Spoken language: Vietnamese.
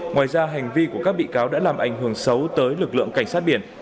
ngoài ra hành vi của các bị cáo đã làm ảnh hưởng xấu tới lực lượng cảnh sát biển